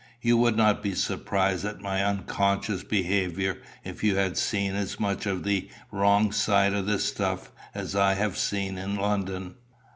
You would not be surprised at my unconscious behaviour if you had seen as much of the wrong side of the stuff as I have seen in London."